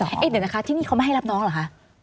เดี๋ยวนะคะที่นี่เขาไม่ให้รับน้องเหรอคะ